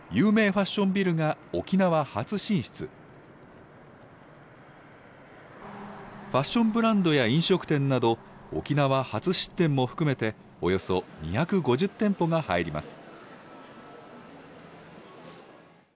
ファッションブランドや飲食店など、沖縄初出店も含めて、およそ２５０店舗が入ります。